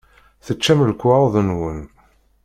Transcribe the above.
Teččam lekwaɣeḍ-nwen.